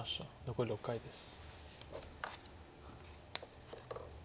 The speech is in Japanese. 残り６回です。